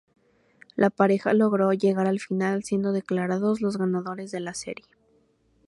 La pareja logró llegar a la final siendo declarados los ganadores de la serie.